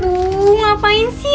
lu ngapain sih